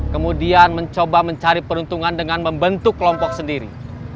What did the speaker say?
kemudian mencoba mencari peruntungan dengan membentuk kelompok sendiri